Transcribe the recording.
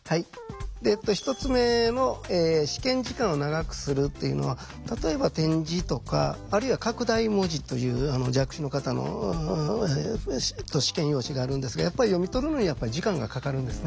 １つ目の「試験時間を長くする」っていうのは例えば点字とかあるいは拡大文字という弱視の方の試験用紙があるんですがやっぱり読み取るのに時間がかかるんですね。